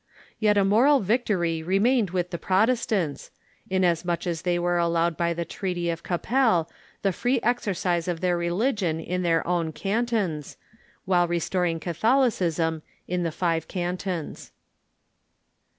Yet a moral vic tory remained with the Protestants, inasmuch as they were allowed by the Treaty of Cappel the free exercise of their re ligion in their own cantons, while restoring Catholicism in the five cantons.